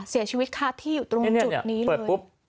เสียชีวิตคาที่อยู่ตรงจุดนี้เลย